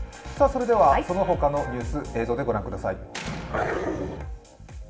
その他のニュース、映像でご覧ください。